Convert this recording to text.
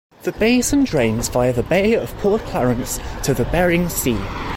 The basin drains via the bay of Port Clarence to the Bering Sea.